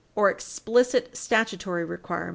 159, or explicit statutory requirements, e.